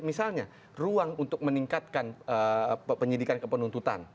misalnya ruang untuk meningkatkan penyidikan kepenuntutan